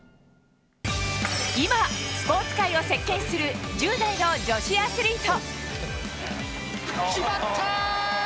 今、スポーツ界を席巻する１０代の女子アスリート。